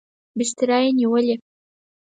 بستره یې نیولې.